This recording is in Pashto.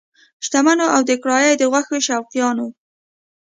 شتمنو او د کړایي د غوښو شوقیانو!